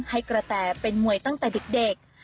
ให้กระแต่เป็นมวยตั้งแต่เด็ก